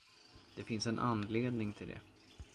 Det finns en anledning till det.